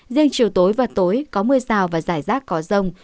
riêng chiều tối và tối có mưa rào và rải rác có rông